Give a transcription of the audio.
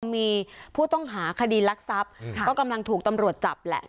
มีผู้ต้องหาคดีรักทรัพย์ก็กำลังถูกตำรวจจับแหละ